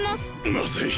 まずい！